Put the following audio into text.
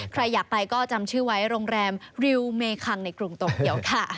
ใครอยากไปก็จำชื่อไว้โรงแรมริวเมคังในกรุงโตเกียวค่ะ